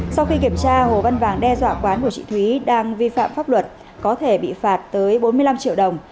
sau khi kiểm tra hồ văn vàng đe dọa quán của chị thúy đang vi phạm pháp luật có thể bị phạt tới bốn mươi năm triệu đồng